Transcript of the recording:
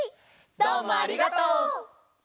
どうもありがとう！